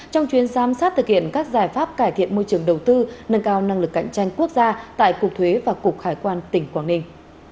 trong chuyến giám sát thực hiện các giải pháp cải thiện môi trường đầu tư nâng cao năng lực cạnh tranh quốc gia tại cục thuế và cục hải quan tỉnh quảng ninh